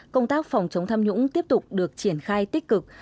công tác phòng chống tham nhũng tiếp tục được triển khai tích cực